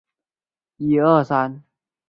中国人民解放军少将。